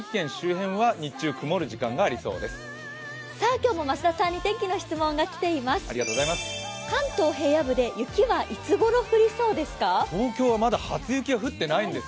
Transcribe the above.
今日も増田さんに天気の質問が来ています。